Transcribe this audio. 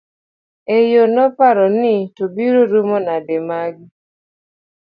e yo noparo ni to biro rumo nade magi